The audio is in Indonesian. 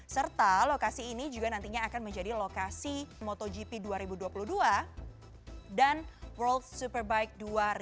serta lokasi ini juga nantinya akan menjadi lokasi motogp dua ribu dua puluh dua dan world superbike dua ribu dua puluh tiga